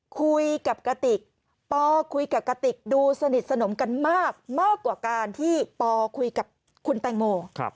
คุยกับกติกปคุยกับกติกดูสนิทสนมกันมากมากกว่าการที่ปคุยกับคุณแตงโม